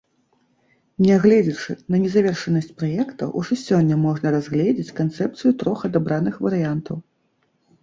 Нягледзячы на незавершанасць праектаў, ужо сёння можна разгледзець канцэпцыю трох адабраных варыянтаў.